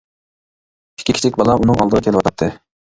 ئىككى كىچىك بالا ئۇنىڭ ئالدىغا كېلىۋاتاتتى.